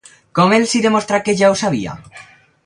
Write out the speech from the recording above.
Com els hi demostra que ja ho sabia?